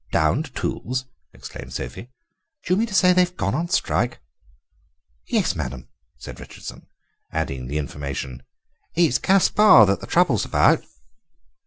"Downed tools!" exclaimed Sophie; "do you mean to say they've gone on strike?" "Yes, madame," said Richardson, adding the information: "It's Gaspare that the trouble is about."